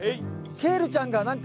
ケールちゃんがなんか。